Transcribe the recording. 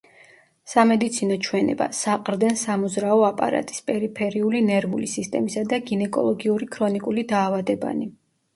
სამედიცინო ჩვენება: საყრდენ-სამოძრაო აპარატის, პერიფერიული ნერვული სისტემისა და გინეკოლოგიური ქრონიკული დაავადებანი.